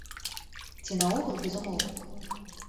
Ці наогул без умоў?